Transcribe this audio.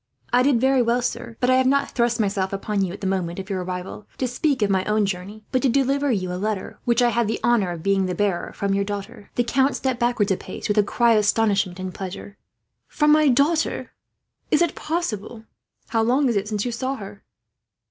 "I did very well, sir; but I have not thrust myself upon you, at the moment of your arrival, to speak of my own journey; but to deliver you a letter, which I have the honour of being the bearer, from your daughter." The count stepped backwards a pace, with a cry of astonishment and pleasure. "From my daughter! Is it possible, sir? How long is it since you saw her?"